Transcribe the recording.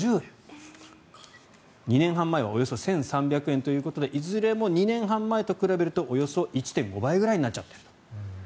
２年半前はおよそ１３００円ということでいずれも２年半前と比べるとおよそ１．５倍ぐらいになっちゃったと。